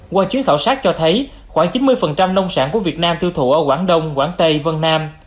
qua chuyến khảo sát cho thấy khoảng chín mươi nông sản của việt nam tiêu thụ ở quảng đông quảng tây vân nam